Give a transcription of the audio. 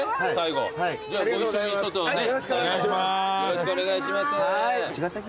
よろしくお願いします。